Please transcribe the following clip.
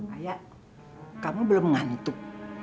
ayah kamu belum ngantuk